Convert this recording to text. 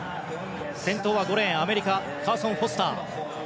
先頭は５レーン、アメリカカーソン・フォスター。